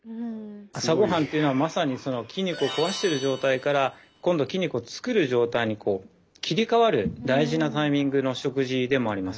朝ごはんっていうのはまさにその筋肉を壊してる状態から今度筋肉を作る状態に切り替わる大事なタイミングの食事でもあります。